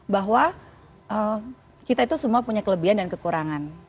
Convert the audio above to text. bahwa kita itu semua punya kelebihan dan kekurangan